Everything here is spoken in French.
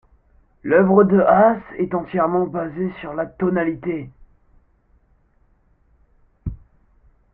L'œuvre de Haas est entièrement basée sur la tonalité.